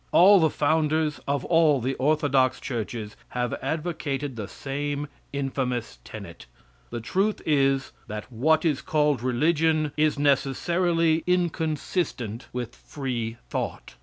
All the founders of all the orthodox churches have advocated the same infamous tenet. The truth is that what is called religion is necessarily inconsistent with free thought.